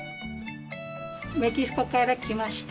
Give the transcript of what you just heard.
メキシコから来ました。